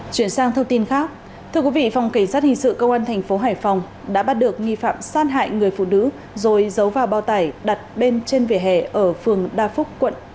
chuyển sang thông tin khác thưa quý vị phòng cảnh sát hình sự công an thành phố hải phòng đã bắt được nghi phạm sát hại người phụ nữ rồi giấu vào bao tải đặt bên trên vỉa hè ở phường đa phúc quận